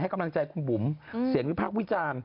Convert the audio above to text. กำลังใจคุณบุ๋มเสียงวิพากษ์วิจารณ์